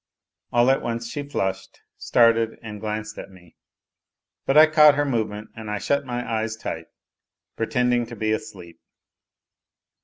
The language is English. All at once she flushed, started, and glanced at me. But I caught her movement and I shut my eyes tight, pretending to be asleep.